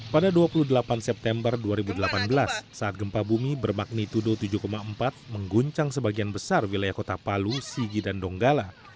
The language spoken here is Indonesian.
pada dua puluh delapan september dua ribu delapan belas saat gempa bumi bermagnitudo tujuh empat mengguncang sebagian besar wilayah kota palu sigi dan donggala